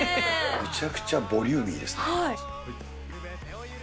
めちゃくちゃボリューミーですね。